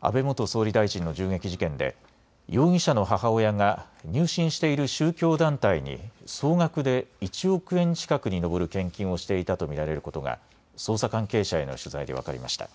安倍元総理大臣の銃撃事件で容疑者の母親が入信している宗教団体に総額で１億円近くに上る献金をしていたと見られることが捜査関係者への取材で分かりました。